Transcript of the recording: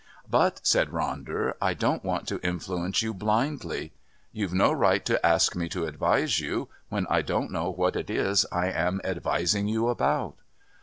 "But," said Ronder, "I don't want to influence you blindly. You've no right to ask me to advise you when I don't know what it is I am advising you about."